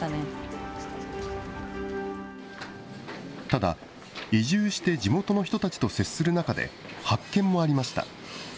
ただ、移住して地元の人たちと接する中で、発見もありました。